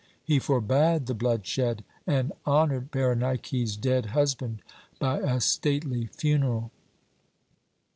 He forbade the bloodshed, and honoured Berenike's dead husband by a stately funeral.